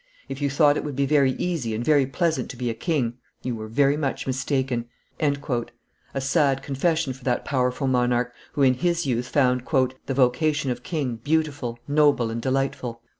If you thought it would be very easy and very pleasant to be a king, you were very much mistaken." A sad confession for that powerful monarch, who in his youth found "the vocation of king beautiful, noble, and delightful."